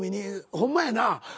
ホンマやな。